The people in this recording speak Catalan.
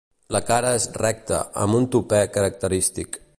La cara és recta, amb un tupè característic.